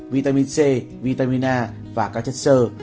vitamin c vitamin a và các chất sơ